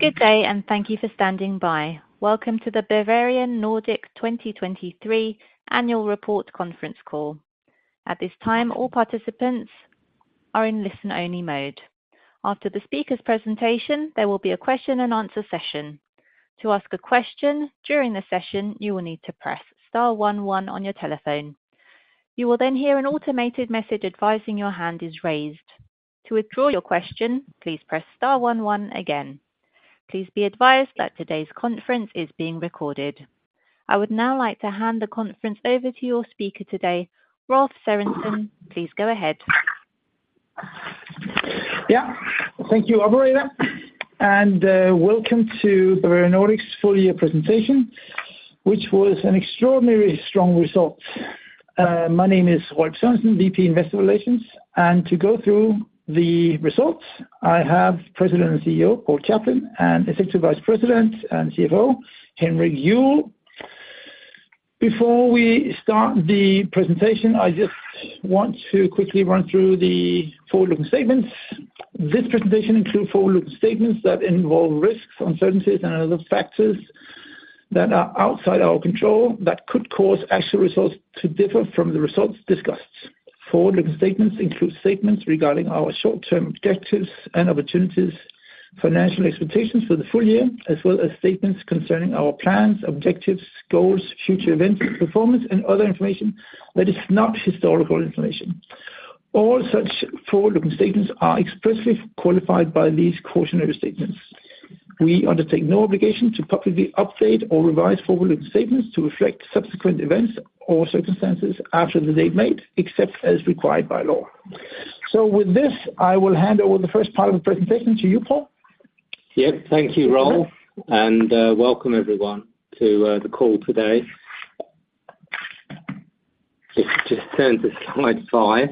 Good day and thank you for standing by. Welcome to the Bavarian Nordic 2023 Annual Report Conference call. At this time, all participants are in listen-only mode. After the speaker's presentation, there will be a question-and-answer session. To ask a question during the session, you will need to press star 11 on your telephone. You will then hear an automated message advising your hand is raised. To withdraw your question, please press star 11 again. Please be advised that today's conference is being recorded. I would now like to hand the conference over to your speaker today, Rolf Sørensen. Please go ahead. Yeah, thank you, Operator. Welcome to Bavarian Nordic's full-year presentation, which was an extraordinarily strong result. My name is Rolf Sørensen, VP Investor Relations, and to go through the results, I have President and CEO Paul Chaplin and Executive Vice President and CFO Henrik Juuel. Before we start the presentation, I just want to quickly run through the forward-looking statements. This presentation includes forward-looking statements that involve risks, uncertainties, and other factors that are outside our control that could cause actual results to differ from the results discussed. Forward-looking statements include statements regarding our short-term objectives and opportunities, financial expectations for the full year, as well as statements concerning our plans, objectives, goals, future events, performance, and other information that is not historical information. All such forward-looking statements are expressly qualified by these cautionary statements. We undertake no obligation to publicly update or revise forward-looking statements to reflect subsequent events or circumstances after the date made, except as required by law. So with this, I will hand over the first part of the presentation to you, Paul. Yep, thank you, Rolf, and welcome everyone to the call today. Just turn to slide five.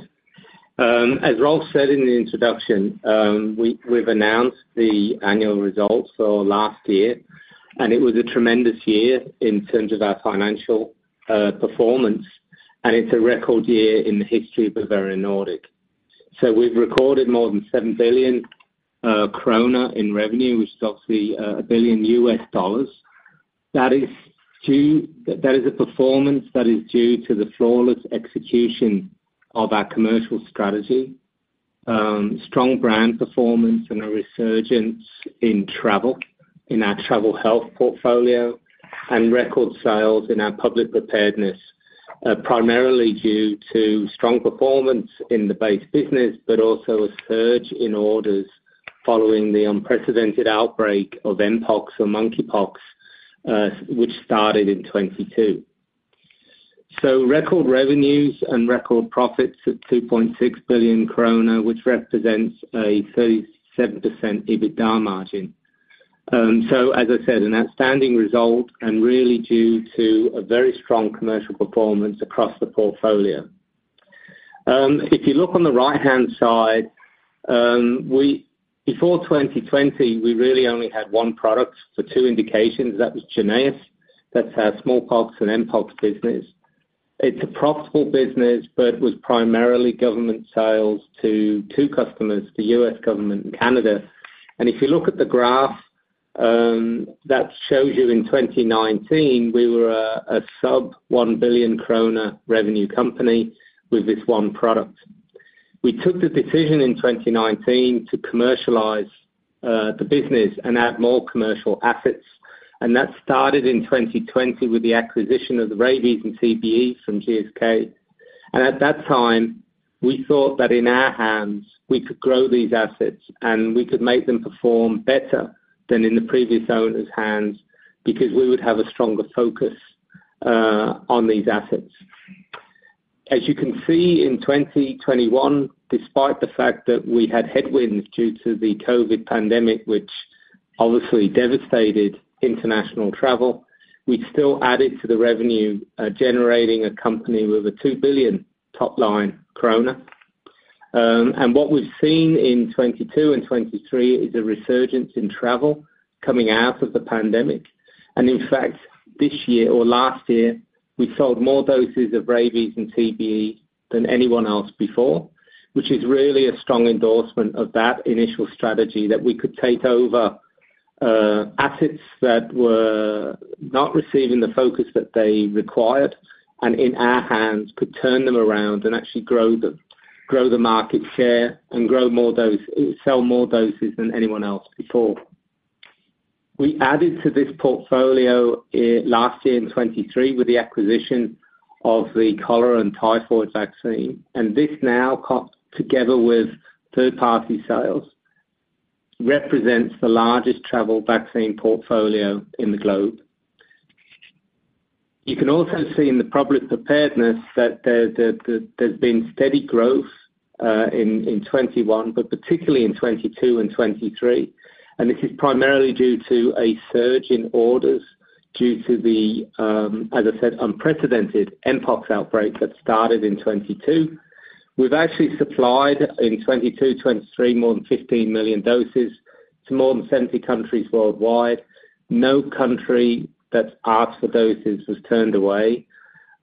As Rolf said in the introduction, we've announced the annual results for last year, and it was a tremendous year in terms of our financial performance, and it's a record year in the history of Bavarian Nordic. So we've recorded more than 7 billion krone in revenue, which is obviously $1 billion. That is a performance that is due to the flawless execution of our commercial strategy, strong brand performance, and a resurgence in travel in our travel health portfolio, and record sales in our public preparedness, primarily due to strong performance in the base business but also a surge in orders following the unprecedented outbreak of mpox or monkeypox, which started in 2022. So record revenues and record profits at 2.6 billion krone, which represents a 37% EBITDA margin. So as I said, an outstanding result and really due to a very strong commercial performance across the portfolio. If you look on the right-hand side, before 2020, we really only had one product for two indications. That was JYNNEOS. That's our smallpox and mpox business. It's a profitable business but was primarily government sales to two customers, the U.S. government and Canada. And if you look at the graph that shows you in 2019, we were a sub-DKK 1 billion revenue company with this one product. We took the decision in 2019 to commercialize the business and add more commercial assets, and that started in 2020 with the acquisition of the rabies and TBE from GSK. At that time, we thought that in our hands, we could grow these assets and we could make them perform better than in the previous owner's hands because we would have a stronger focus on these assets. As you can see, in 2021, despite the fact that we had headwinds due to the COVID pandemic, which obviously devastated international travel, we still added to the revenue, generating a company with a 2 billion top-line. What we've seen in 2022 and 2023 is a resurgence in travel coming out of the pandemic. In fact, this year or last year, we sold more doses of rabies and TBE than anyone else before, which is really a strong endorsement of that initial strategy that we could take over assets that were not receiving the focus that they required and in our hands could turn them around and actually grow the market share and sell more doses than anyone else before. We added to this portfolio last year in 2023 with the acquisition of the cholera and typhus vaccine, and this now, together with third-party sales, represents the largest travel vaccine portfolio in the globe. You can also see in the public preparedness that there's been steady growth in 2021 but particularly in 2022 and 2023, and this is primarily due to a surge in orders due to the, as I said, unprecedented mpox outbreak that started in 2022. We've actually supplied in 2022, 2023, more than 15 million doses to more than 70 countries worldwide. No country that's asked for doses was turned away.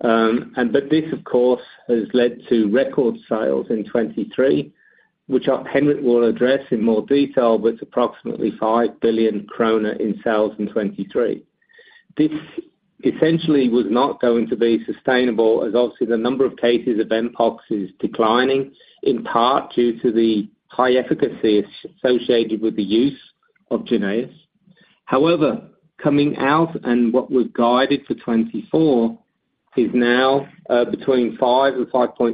But this, of course, has led to record sales in 2023, which I'll Henrik Juuel address in more detail, but it's approximately 5 billion kroner in sales in 2023. This essentially was not going to be sustainable as obviously the number of cases of mpox is declining, in part due to the high efficacy associated with the use of JYNNEOS. However, coming out and what was guided for 2024 is now between 5 billion and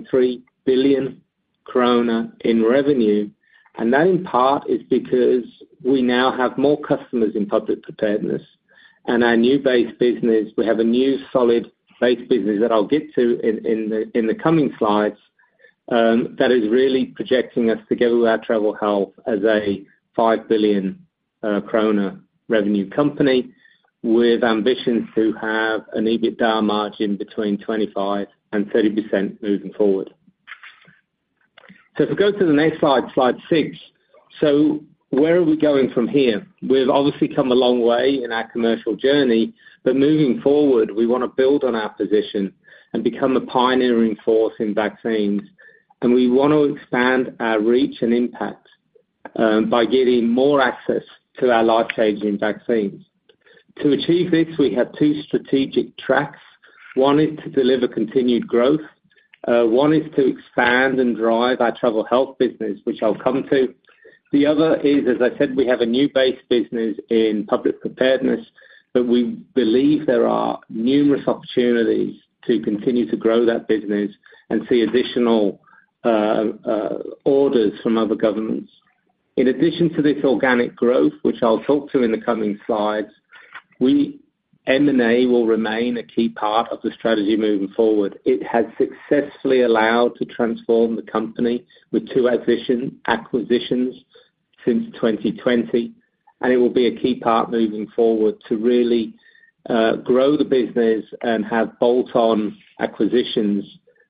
5.3 billion krone in revenue, and that in part is because we now have more customers in public preparedness and our new base business. We have a new solid base business that I'll get to in the coming slides that is really projecting us together with our travel health as a 5 billion krone revenue company with ambitions to have an EBITDA margin between 25%-30% moving forward. So if we go to the next slide, slide six, so where are we going from here? We've obviously come a long way in our commercial journey, but moving forward, we want to build on our position and become a pioneering force in vaccines, and we want to expand our reach and impact by getting more access to our life-changing vaccines. To achieve this, we have two strategic tracks. One is to deliver continued growth. One is to expand and drive our travel health business, which I'll come to. The other is, as I said, we have a new base business in public preparedness, but we believe there are numerous opportunities to continue to grow that business and see additional orders from other governments. In addition to this organic growth, which I'll talk to in the coming slides, M&A will remain a key part of the strategy moving forward. It has successfully allowed to transform the company with two acquisitions since 2020, and it will be a key part moving forward to really grow the business and have bolt-on acquisitions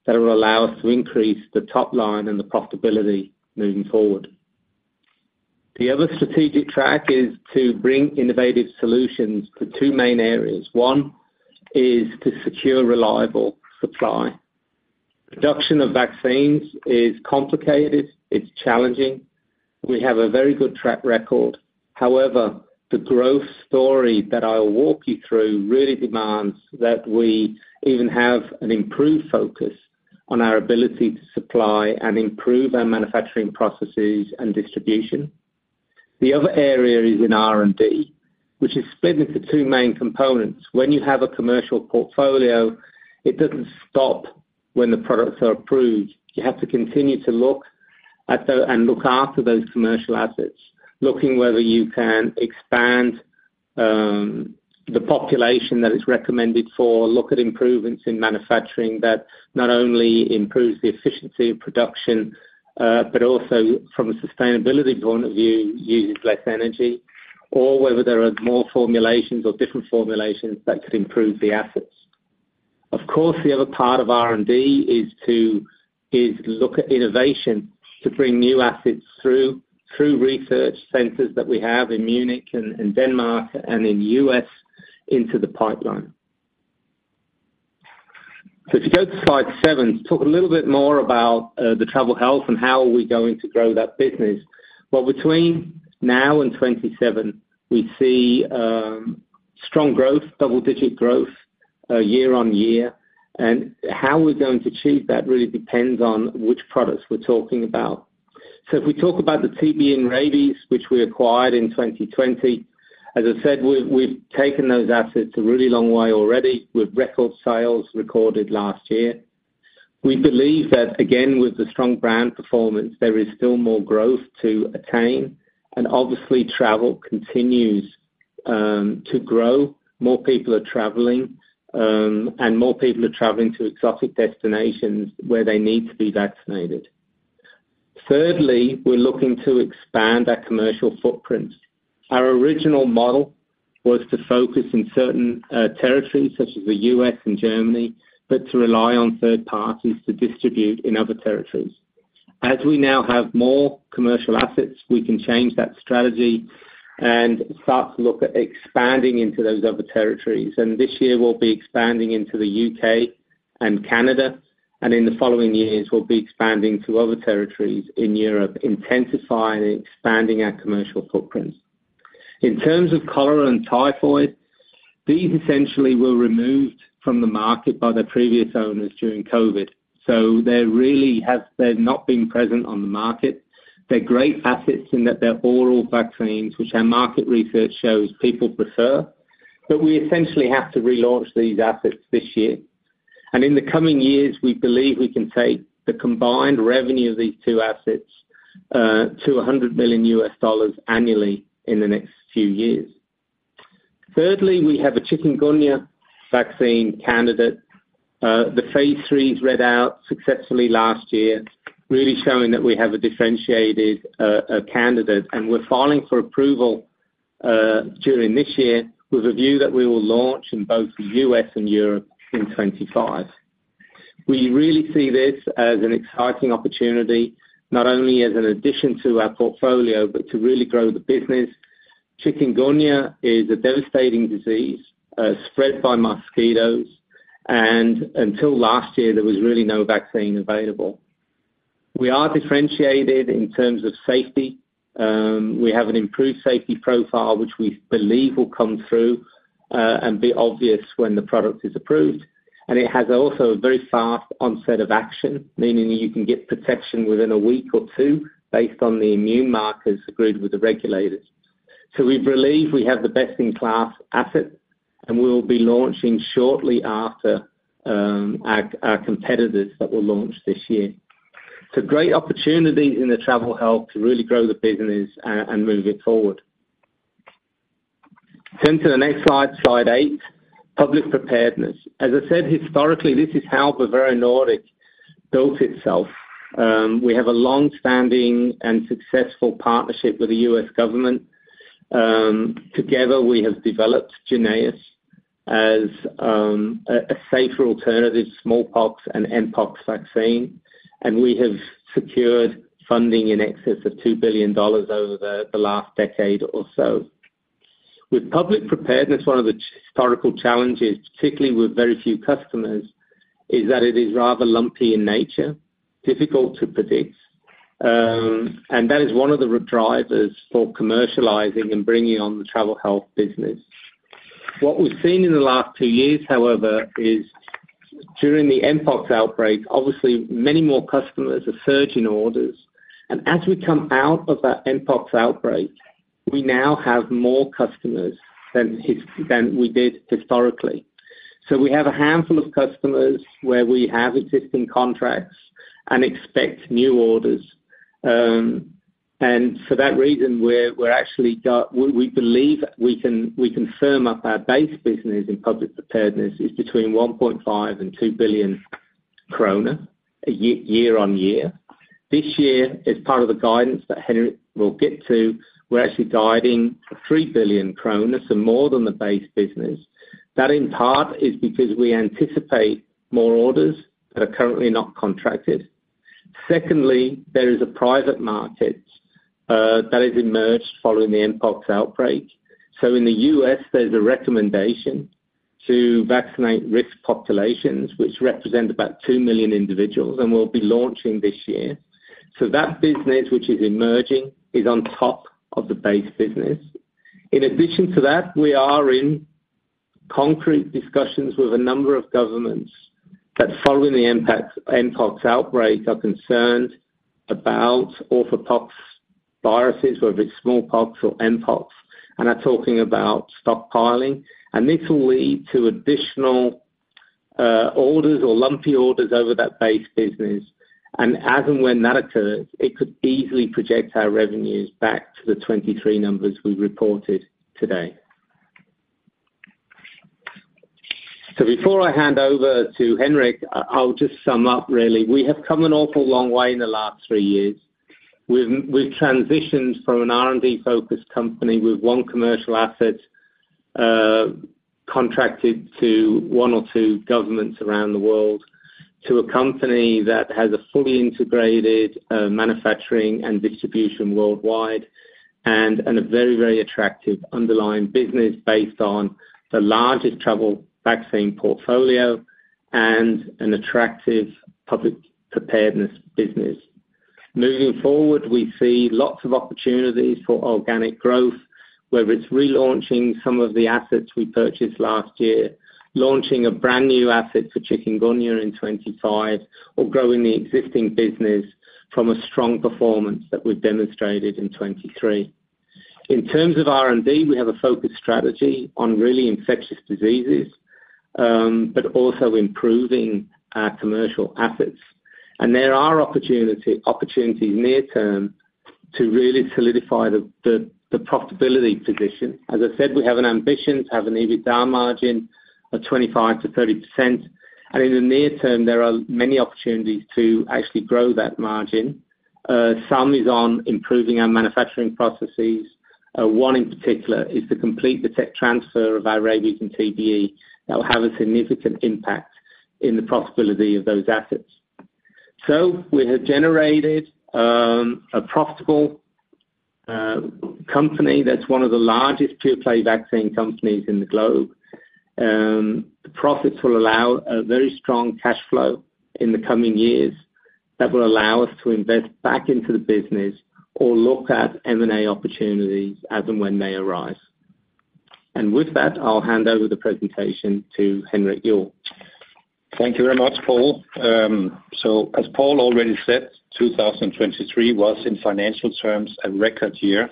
that will allow us to increase the top-line and the profitability moving forward. The other strategic track is to bring innovative solutions to two main areas. One is to secure reliable supply. Production of vaccines is complicated. It's challenging. We have a very good track record. However, the growth story that I'll walk you through really demands that we even have an improved focus on our ability to supply and improve our manufacturing processes and distribution. The other area is in R&D, which is split into two main components. When you have a commercial portfolio, it doesn't stop when the products are approved. You have to continue to look and look after those commercial assets, looking whether you can expand the population that it's recommended for, look at improvements in manufacturing that not only improves the efficiency of production but also, from a sustainability point of view, uses less energy, or whether there are more formulations or different formulations that could improve the assets. Of course, the other part of R&D is to look at innovation to bring new assets through research centers that we have in Munich and Denmark and in the U.S. into the pipeline. So if you go to slide seven, to talk a little bit more about the travel health and how we're going to grow that business, well, between now and 2027, we see strong growth, double-digit growth year-on-year. And how we're going to achieve that really depends on which products we're talking about. So if we talk about the TBE and rabies, which we acquired in 2020, as I said, we've taken those assets a really long way already with record sales recorded last year. We believe that, again, with the strong brand performance, there is still more growth to attain, and obviously, travel continues to grow. More people are traveling, and more people are traveling to exotic destinations where they need to be vaccinated. Thirdly, we're looking to expand our commercial footprint. Our original model was to focus in certain territories such as the U.S. and Germany but to rely on third parties to distribute in other territories. As we now have more commercial assets, we can change that strategy and start to look at expanding into those other territories. This year, we'll be expanding into the U.K. and Canada, and in the following years, we'll be expanding to other territories in Europe, intensifying and expanding our commercial footprint. In terms of cholera and typhoid, these essentially were removed from the market by their previous owners during COVID, so they're not being present on the market. They're great assets in that they're oral vaccines, which our market research shows people prefer, but we essentially have to relaunch these assets this year. In the coming years, we believe we can take the combined revenue of these two assets to $100 million annually in the next few years. Thirdly, we have a Chikungunya vaccine candidate. The phase 3 is read out successfully last year, really showing that we have a differentiated candidate, and we're filing for approval during this year with a view that we will launch in both the U.S. and Europe in 2025. We really see this as an exciting opportunity, not only as an addition to our portfolio but to really grow the business. Chikungunya is a devastating disease spread by mosquitoes, and until last year, there was really no vaccine available. We are differentiated in terms of safety. We have an improved safety profile, which we believe will come through and be obvious when the product is approved. It has also a very fast onset of action, meaning you can get protection within a week or two based on the immune markers agreed with the regulators. We believe we have the best-in-class asset, and we'll be launching shortly after our competitors that will launch this year. Great opportunities in the travel health to really grow the business and move it forward. Turn to the next slide, slide eight, public preparedness. As I said, historically, this is how Bavarian Nordic built itself. We have a longstanding and successful partnership with the U.S. government. Together, we have developed JYNNEOS as a safer alternative smallpox and mpox vaccine, and we have secured funding in excess of $2 billion over the last decade or so. With public preparedness, one of the historical challenges, particularly with very few customers, is that it is rather lumpy in nature, difficult to predict, and that is one of the drivers for commercializing and bringing on the travel health business. What we've seen in the last two years, however, is during the mpox outbreak, obviously, many more customers, a surge in orders. As we come out of that mpox outbreak, we now have more customers than we did historically. So we have a handful of customers where we have existing contracts and expect new orders. And for that reason, we believe we can firm up our base business in public preparedness. It's between 1.5 billion and 2 billion kroner year-over-year. This year, as part of the guidance that Henrik will get to, we're actually guiding 3 billion kroner, so more than the base business. That in part is because we anticipate more orders that are currently not contracted. Secondly, there is a private market that has emerged following the Mpox outbreak. So in the U.S., there's a recommendation to vaccinate risk populations, which represent about 2 million individuals, and we'll be launching this year. So that business, which is emerging, is on top of the base business. In addition to that, we are in concrete discussions with a number of governments that, following the Mpox outbreak, are concerned about orthopox viruses, whether it's Smallpox or Mpox, and are talking about stockpiling. And this will lead to additional orders or lumpy orders over that base business. And as and when that occurs, it could easily project our revenues back to the 2023 numbers we've reported today. So before I hand over to Henrik, I'll just sum up, really. We have come an awful long way in the last three years. We've transitioned from an R&D-focused company with one commercial asset contracted to one or two governments around the world to a company that has a fully integrated manufacturing and distribution worldwide and a very, very attractive underlying business based on the largest travel vaccine portfolio and an attractive public preparedness business. Moving forward, we see lots of opportunities for organic growth, whether it's relaunching some of the assets we purchased last year, launching a brand new asset for Chikungunya in 2025, or growing the existing business from a strong performance that we've demonstrated in 2023. In terms of R&D, we have a focused strategy on really infectious diseases but also improving our commercial assets. There are opportunities near-term to really solidify the profitability position. As I said, we have an ambition to have an EBITDA margin of 25%-30%. In the near term, there are many opportunities to actually grow that margin. Some is on improving our manufacturing processes. One in particular is to complete the tech transfer of our Rabies and TBE that will have a significant impact in the profitability of those assets. We have generated a profitable company that's one of the largest pure-play vaccine companies in the globe. The profits will allow a very strong cash flow in the coming years that will allow us to invest back into the business or look at M&A opportunities as and when they arise. With that, I'll hand over the presentation to Henrik Juuel. Thank you very much, Paul. So as Paul already said, 2023 was, in financial terms, a record year,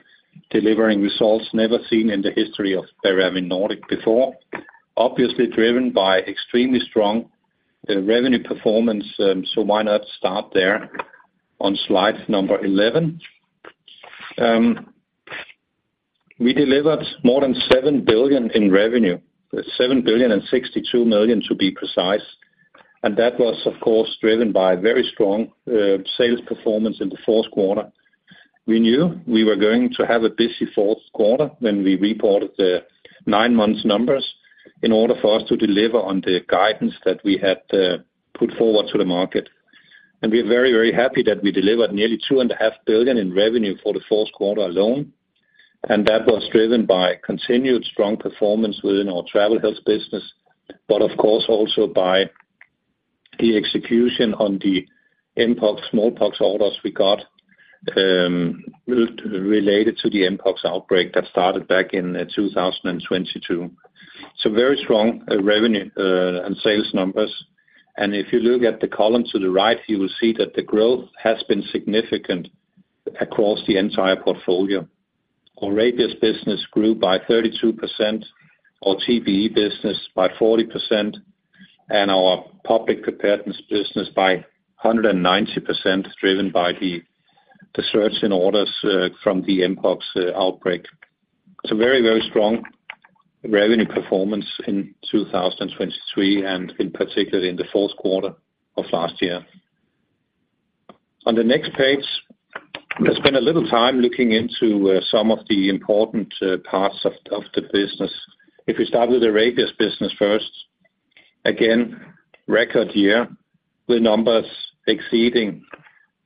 delivering results never seen in the history of Bavarian Nordic before, obviously driven by extremely strong revenue performance. So why not start there on slide 11? We delivered more than 7 billion in revenue, 7 billion and 62 million to be precise. And that was, of course, driven by very strong sales performance in the Q4. We knew we were going to have a busy Q4 when we reported the nine-month numbers in order for us to deliver on the guidance that we had put forward to the market. And we are very, very happy that we delivered nearly 2.5 billion in revenue for the Q4 alone. That was driven by continued strong performance within our Travel Health business but, of course, also by the execution on the mpox, Smallpox orders we got related to the mpox outbreak that started back in 2022. So very strong revenue and sales numbers. And if you look at the column to the right, you will see that the growth has been significant across the entire portfolio. Our Rabies business grew by 32%, our TBE business by 40%, and our Public Preparedness business by 190%, driven by the surge in orders from the mpox outbreak. So very, very strong revenue performance in 2023 and, in particular, in the Q4 of last year. On the next page, I spent a little time looking into some of the important parts of the business. If we start with the Rabies business first, again, record year with numbers exceeding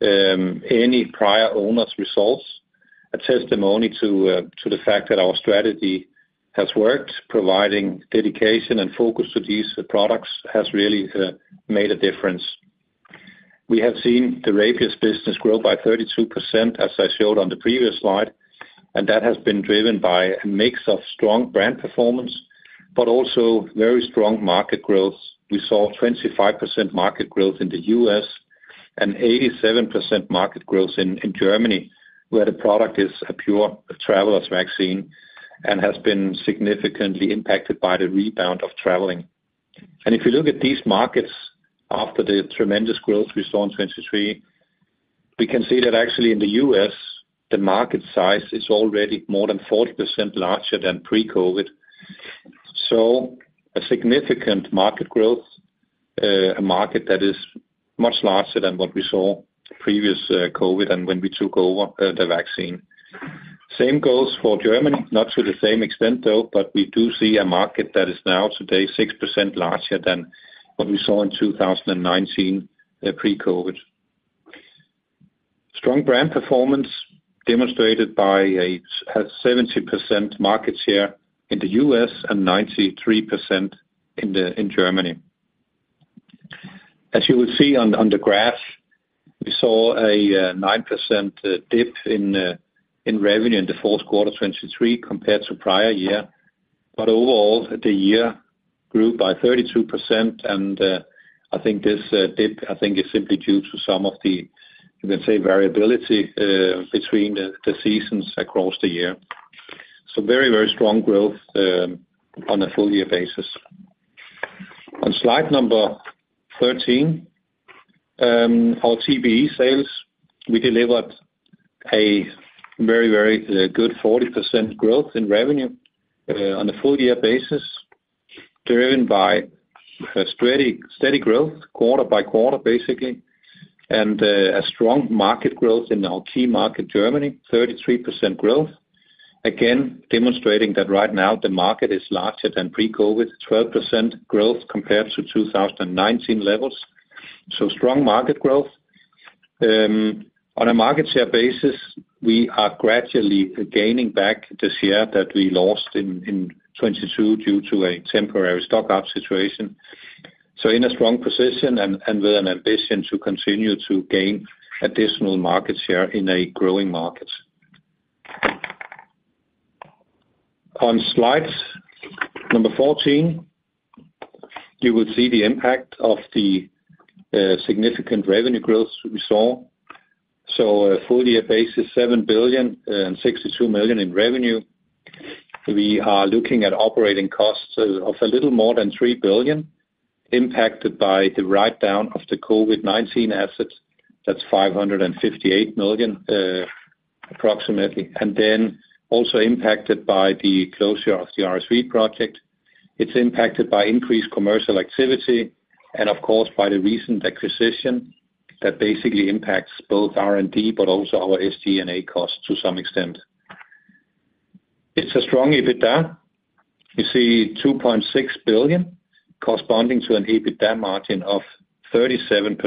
any prior owner's results. A testimony to the fact that our strategy has worked, providing dedication and focus to these products has really made a difference. We have seen the Rabies business grow by 32%, as I showed on the previous slide, and that has been driven by a mix of strong brand performance but also very strong market growth. We saw 25% market growth in the U.S. and 87% market growth in Germany, where the product is a pure traveler's vaccine and has been significantly impacted by the rebound of traveling. And if you look at these markets after the tremendous growth we saw in 2023, we can see that, actually, in the U.S., the market size is already more than 40% larger than pre-COVID. So a significant market growth, a market that is much larger than what we saw previous COVID and when we took over the vaccine. Same goes for Germany, not to the same extent, though, but we do see a market that is now, today, 6% larger than what we saw in 2019 pre-COVID. Strong brand performance demonstrated by a 70% market share in the U.S. and 93% in Germany. As you will see on the graph, we saw a 9% dip in revenue in the Q4 2023 compared to prior year. But overall, the year grew by 32%, and I think this dip, I think, is simply due to some of the, you can say, variability between the seasons across the year. So very, very strong growth on a full-year basis. On slide number 13, our TBE sales, we delivered a very, very good 40% growth in revenue on a full-year basis, driven by steady growth quarter by quarter, basically, and a strong market growth in our key market, Germany, 33% growth, again demonstrating that, right now, the market is larger than pre-COVID, 12% growth compared to 2019 levels. So strong market growth. On slide number 14, you will see the impact of the significant revenue growth we saw. So full-year basis, 7,062 million in revenue. We are looking at operating costs of a little more than 3 billion impacted by the write-down of the COVID-19 assets. That's 558 million, approximately, and then also impacted by the closure of the RSV project. It's impacted by increased commercial activity and, of course, by the recent acquisition that basically impacts both R&D but also our SG&A costs to some extent. It's a strong EBITDA. You see 2.6 billion corresponding to an EBITDA margin of 37%.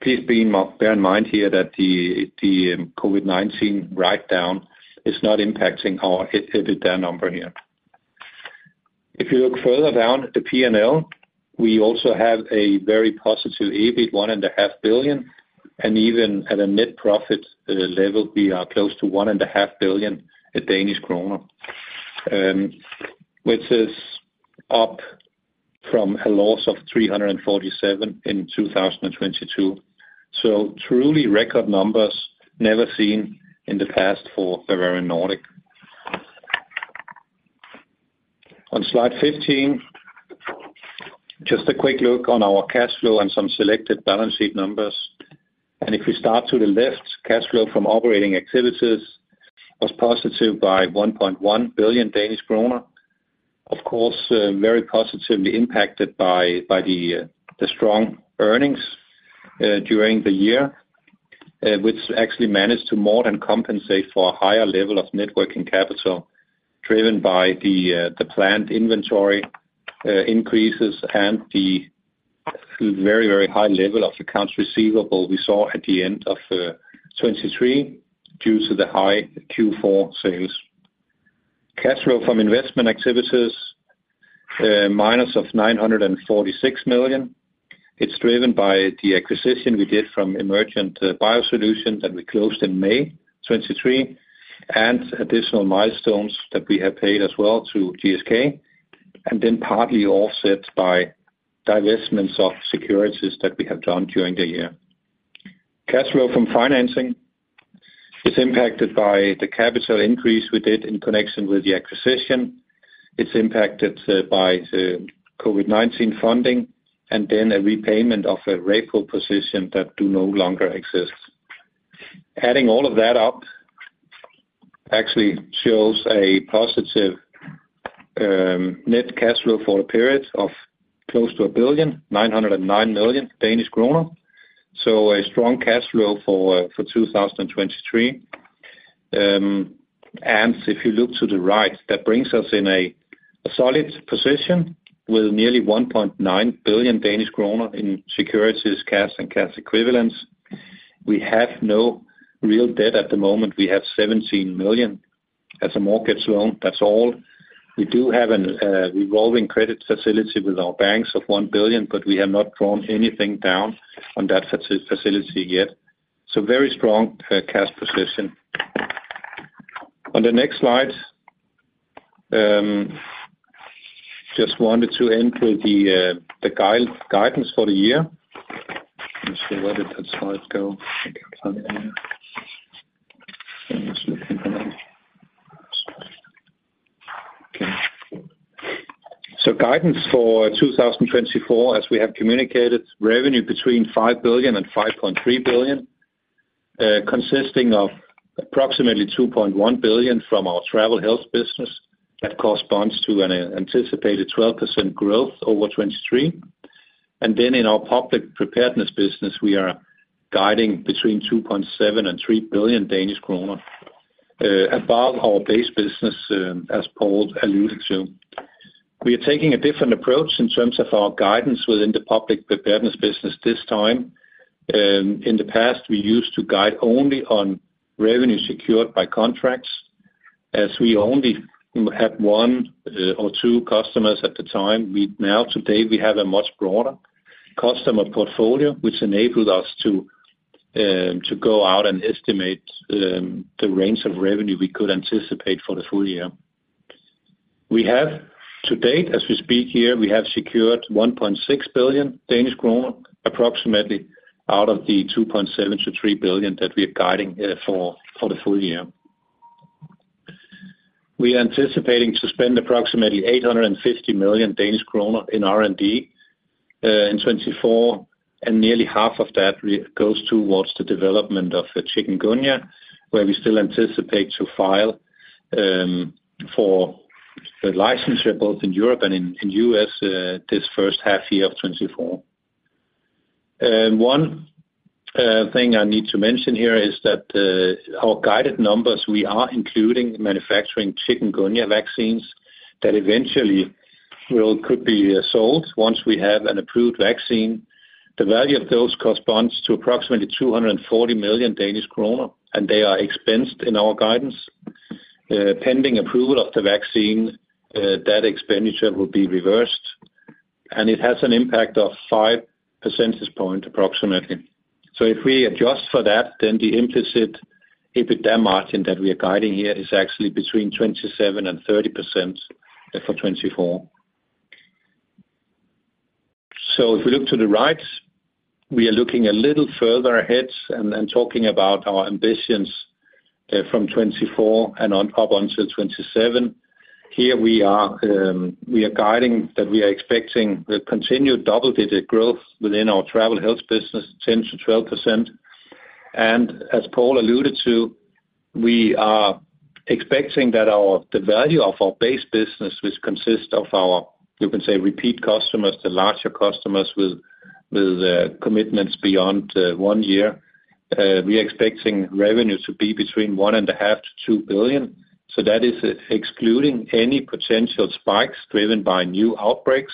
Please bear in mind here that the COVID-19 write-down is not impacting our EBITDA number here. If you look further down, the P&L, we also have a very positive EBIT, 1.5 billion, and even at a net profit level, we are close to 1.5 billion in Danish kroner, which is up from a loss of 347 million in 2022. So truly record numbers never seen in the past for Bavarian Nordic. On slide 15, just a quick look on our cash flow and some selected balance sheet numbers. And if we start to the left, cash flow from operating activities was positive by 1.1 billion Danish kroner, of course, very positively impacted by the strong earnings during the year, which actually managed to more than compensate for a higher level of net working capital driven by the planned inventory increases and the very, very high level of accounts receivable we saw at the end of 2023 due to the high Q4 sales. Cash flow from investment activities, minus of 946 million. It's driven by the acquisition we did from Emergent BioSolutions that we closed in May 2023 and additional milestones that we have paid as well to GSK and then partly offset by divestments of securities that we have done during the year. Cash flow from financing is impacted by the capital increase we did in connection with the acquisition. It's impacted by COVID-19 funding and then a repayment of a Repo position that does no longer exist. Adding all of that up actually shows a positive net cash flow for a period of close to a billion, 909 million Danish kroner. So a strong cash flow for 2023. And if you look to the right, that brings us in a solid position with nearly 1.9 billion Danish kroner in securities, cash, and cash equivalents. We have no real debt at the moment. We have 17 million as a mortgage loan. That's all. We do have a revolving credit facility with our banks of 1 billion, but we have not drawn anything down on that facility yet. So very strong cash position. On the next slide, just wanted to enter the guidance for the year. Let me see where did that slide go? I can't find it here. I'm just looking for that. Okay. So guidance for 2024, as we have communicated, revenue between 5 billion and 5.3 billion, consisting of approximately 2.1 billion from our Travel Health business that corresponds to an anticipated 12% growth over 2023. And then in our Public Preparedness business, we are guiding between 2.7 billion and 3 billion Danish kroner above our base business, as Paul alluded to. We are taking a different approach in terms of our guidance within the Public Preparedness business this time. In the past, we used to guide only on revenue secured by contracts. As we only had one or two customers at the time, now, today, we have a much broader customer portfolio, which enabled us to go out and estimate the range of revenue we could anticipate for the full year. To date, as we speak here, we have secured 1.6 billion Danish kroner, approximately, out of the 2.7 billion-3 billion that we are guiding for the full year. We are anticipating to spend approximately 850 million Danish kroner in R&D in 2024, and nearly half of that goes towards the development of Chikungunya, where we still anticipate to file for the licensure both in Europe and in the U.S. this H1 of year of 2024. One thing I need to mention here is that our guided numbers, we are including manufacturing Chikungunya vaccines that eventually could be sold once we have an approved vaccine. The value of those corresponds to approximately 240 million Danish kroner, and they are expensed in our guidance. Pending approval of the vaccine, that expenditure will be reversed, and it has an impact of 5 percentage points, approximately. So if we adjust for that, then the implicit EBITDA margin that we are guiding here is actually between 27%-30% for 2024. So if we look to the right, we are looking a little further ahead and talking about our ambitions from 2024 and up until 2027. Here, we are guiding that we are expecting continued double-digit growth within our travel health business, 10%-12%. As Paul alluded to, we are expecting that the value of our base business, which consists of our, you can say, repeat customers, the larger customers with commitments beyond one year, we are expecting revenue to be between 1.5 billion-2 billion. That is excluding any potential spikes driven by new outbreaks,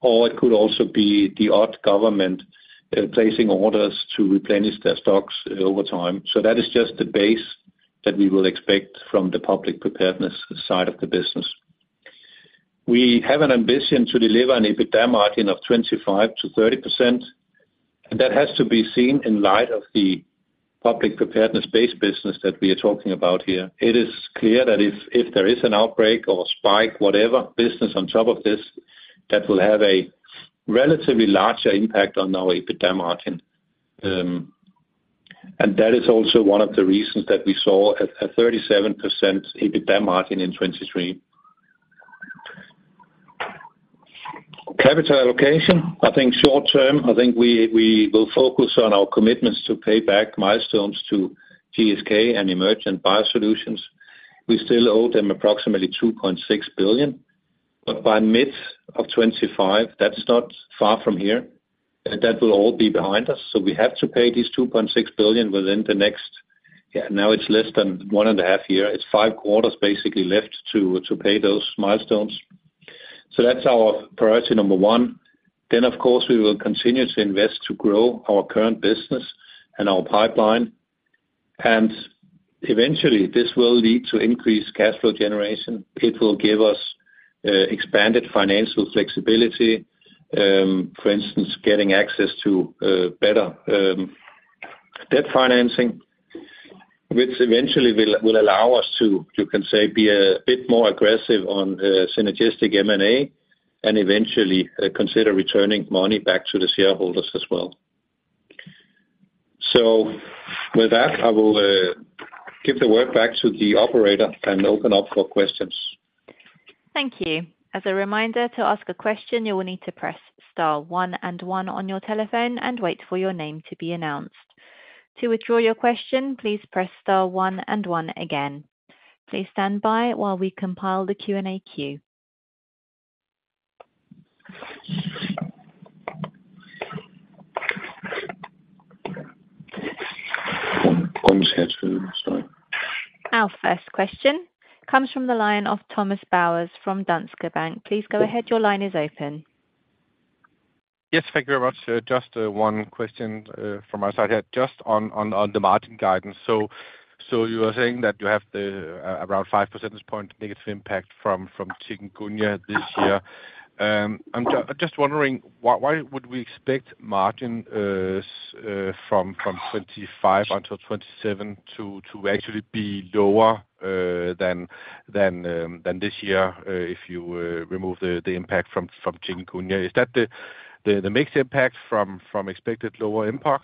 or it could also be the odd government placing orders to replenish their stocks over time. That is just the base that we will expect from the public preparedness side of the business. We have an ambition to deliver an EBITDA margin of 25%-30%, and that has to be seen in light of the public preparedness base business that we are talking about here. It is clear that if there is an outbreak or spike, whatever, business on top of this, that will have a relatively larger impact on our EBITDA margin. That is also one of the reasons that we saw a 37% EBITDA margin in 2023. Capital allocation, I think, short term, I think we will focus on our commitments to pay back milestones to GSK and Emergent BioSolutions. We still owe them approximately 2.6 billion. But by mid-2025, that's not far from here. That will all be behind us. So we have to pay these 2.6 billion within the next year. Now, it's less than 1.5 years. It's 5 quarters, basically, left to pay those milestones. So that's our priority number one. Then, of course, we will continue to invest to grow our current business and our pipeline. And eventually, this will lead to increased cash flow generation. It will give us expanded financial flexibility, for instance, getting access to better debt financing, which eventually will allow us to, you can say, be a bit more aggressive on synergistic M&A and eventually consider returning money back to the shareholders as well. So with that, I will give the word back to the operator and open up for questions. Thank you. As a reminder, to ask a question, you will need to press star one and one on your telephone and wait for your name to be announced. To withdraw your question, please press star one and one again. Please stand by while we compile the Q&A queue. One sec. Sorry. Our first question comes from the line of Thomas Bowers from Danske Bank. Please go ahead. Your line is open. Yes. Thank you very much. Just one question from my side here, just on the margin guidance. So you were saying that you have around 5 percentage point negative impact from Chikungunya this year. I'm just wondering, why would we expect margins from 2025 until 2027 to actually be lower than this year if you remove the impact from Chikungunya? Is that the mix impact from expected lower mpox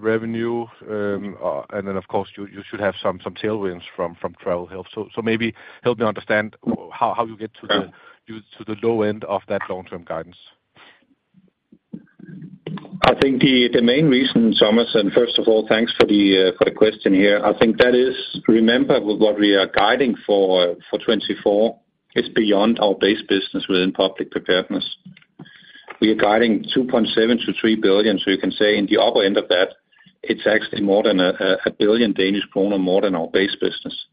revenue? And then, of course, you should have some tailwinds from travel health. So maybe help me understand how you get to the low end of that long-term guidance. I think the main reason, Thomas, and first of all, thanks for the question here. I think that is, remember what we are guiding for 2024 is beyond our base business within public preparedness. We are guiding 2.7 billion-3 billion. So you can say, in the upper end of that, it's actually more than 1 billion Danish kroner, more than our base business.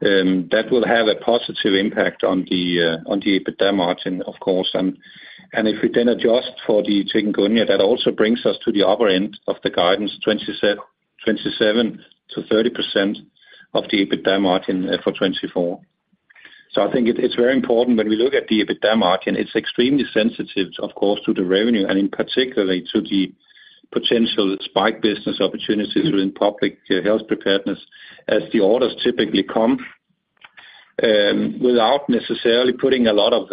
That will have a positive impact on the EBITDA margin, of course. And if we then adjust for the Chikungunya, that also brings us to the upper end of the guidance, 27%-30% EBITDA margin for 2024. So I think it's very important when we look at the EBITDA margin, it's extremely sensitive, of course, to the revenue and in particularly to the potential spike business opportunities within public health preparedness as the orders typically come. Without necessarily putting a lot of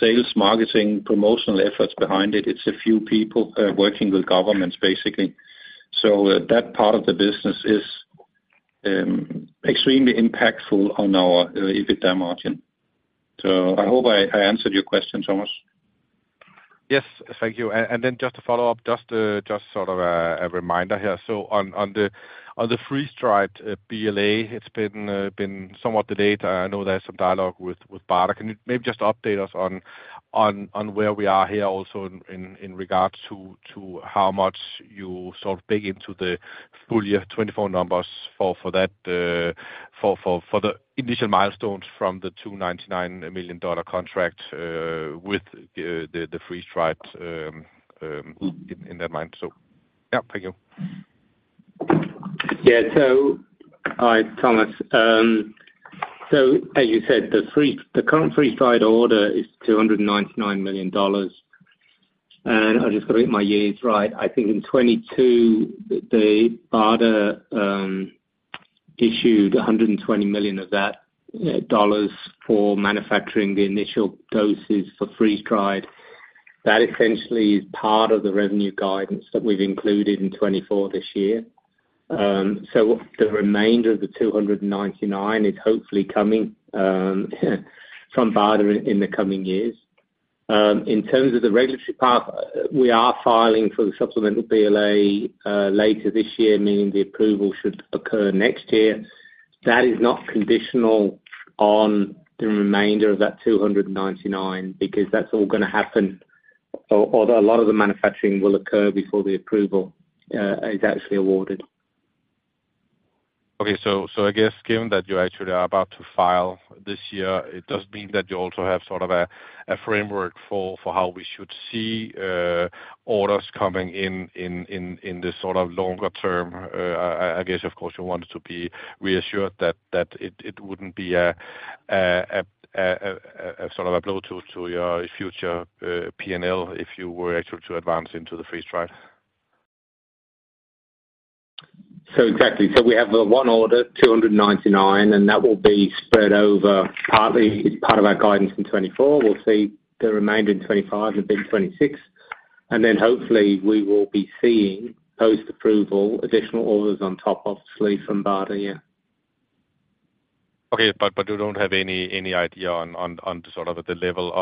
sales marketing, promotional efforts behind it, it's a few people working with governments, basically. So that part of the business is extremely impactful on our EBITDA margin. So I hope I answered your question, Thomas. Yes. Thank you. Then just to follow up, just sort of a reminder here. So on the freeze-dried BLA, it's been somewhat delayed. I know there's some dialogue with BARDA. Can you maybe just update us on where we are here also in regards to how much you sort of bake into the full year 2024 numbers for the initial milestones from the $299 million contract with the freeze-dried in that vein? So yeah. Thank you. Yeah. So hi, Thomas. So as you said, the current freeze-dried order is $299 million. And I've just got to get my years right. I think in 2022, BARDA issued $120 million of that for manufacturing the initial doses for freeze-dried. That essentially is part of the revenue guidance that we've included in 2024 this year. So the remainder of the $299 million is hopefully coming from BARDA in the coming years. In terms of the regulatory path, we are filing for the supplemental BLA later this year, meaning the approval should occur next year. That is not conditional on the remainder of that 299 because that's all going to happen or a lot of the manufacturing will occur before the approval is actually awarded. Okay. So I guess given that you actually are about to file this year, it does mean that you also have sort of a framework for how we should see orders coming in the sort of longer term. I guess, of course, you wanted to be reassured that it wouldn't be a sort of a blow to your future P&L if you were actually to advance into the freeze-dried. So exactly. So we have one order, 299, and that will be spread over partly as part of our guidance in 2024. We'll see the remainder in 2025 and a bit in 2026. And then hopefully, we will be seeing, post-approval, additional orders on top, obviously, from BARDA. Yeah. Okay. But you don't have any idea on sort of the level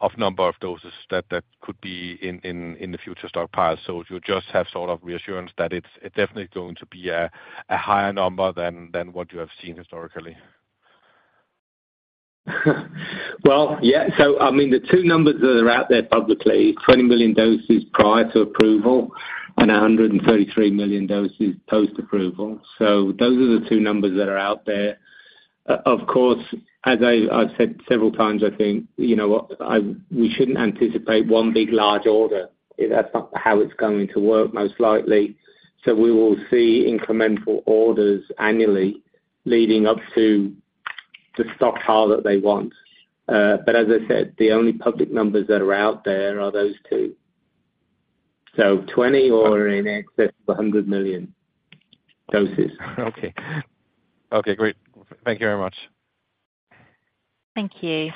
of number of doses that could be in the future stockpile? So you just have sort of reassurance that it's definitely going to be a higher number than what you have seen historically? Well, yeah. So I mean, the two numbers that are out there publicly, 20 million doses prior to approval and 133 million doses post-approval. So those are the two numbers that are out there. Of course, as I've said several times, I think we shouldn't anticipate one big, large order. That's not how it's going to work, most likely. So we will see incremental orders annually leading up to the stockpile that they want. But as I said, the only public numbers that are out there are those two, so 20 or in excess of 100 million doses. Okay. Okay. Great. Thank you very much. Thank you.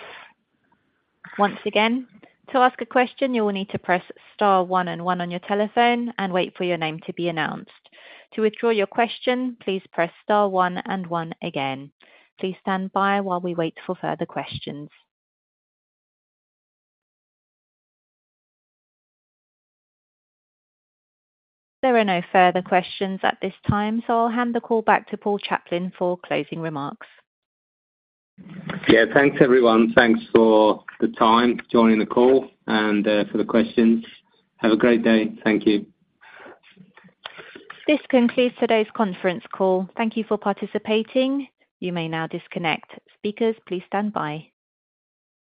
Once again, to ask a question, you will need to press star one and one on your telephone and wait for your name to be announced. To withdraw your question, please press star one and one again. Please stand by while we wait for further questions. There are no further questions at this time, so I'll hand the call back to Paul Chaplin for closing remarks. Yeah. Thanks, everyone. Thanks for the time joining the call and for the questions. Have a great day. Thank you. This concludes today's conference call. Thank you for participating. You may now disconnect. Speakers, please stand by.